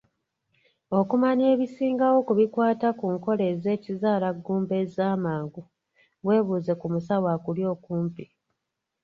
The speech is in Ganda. Okumanya ebisingawo ku bikwata ku nkola z'ekizaalaggumba ez'amangu, weebuuze ku musawo akuli okumpi.